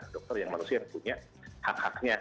dokter yang manusia yang punya hak haknya